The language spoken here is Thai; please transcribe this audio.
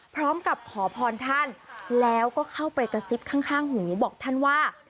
พร้อมกับขอพรท่านแล้วก็เข้าไปกระซิบข้างหูบอกท่านว่า